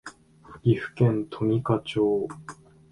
岐阜県富加町